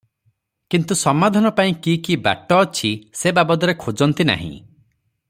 କିନ୍ତୁ ସମାଧାନ ପାଇଁ କି କି ବାଟ ଅଛି ସେ ବାବଦରେ ଖୋଜନ୍ତି ନାହିଁ ।